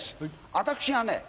私がね